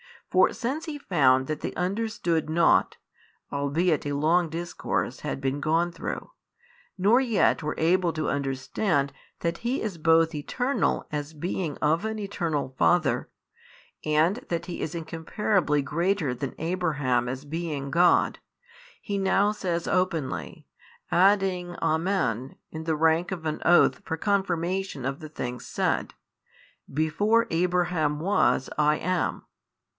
For since He found that they understood nought (albeit a long discourse had been gone through) nor yet were able |682 to understand that He is both Eternal as being of an Eternal Father, and that He is incomparably greater than Abraham as being God, He now says openly, adding Amen in the rank of an oath for confirmation of the things said, Before Abraham was I am.